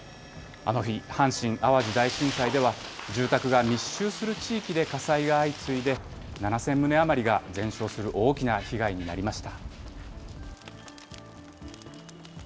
あの日、阪神・淡路大震災では、住宅が密集する地域で火災が相次いで、７０００棟余りが全焼する大きな被害になりました。